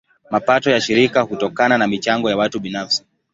Mapato ya shirika hutokana na michango ya watu binafsi.